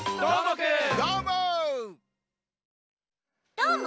どーも！